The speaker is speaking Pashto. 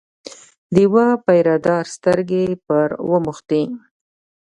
د یوه پیره دار سترګې پر وموښتې.